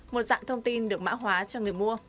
một dạng thông tin được mã hóa cho người mua